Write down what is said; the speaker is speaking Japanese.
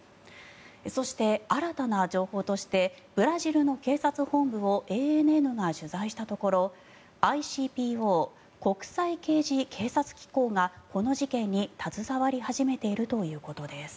そして、新たな情報としてブラジルの警察本部をＡＮＮが取材したところＩＣＰＯ・国際刑事警察機構がこの事件に携わり始めているということです。